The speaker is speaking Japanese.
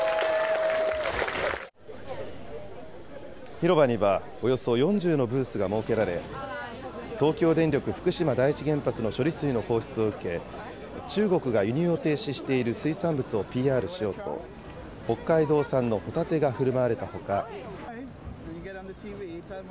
広場にはおよそ４０のブースが設けられ、東京電力福島第一原発の処理水の放出を受け、中国が輸入を停止している水産物をＰＲしようと、北海道産のホタテがふるまわれたほか。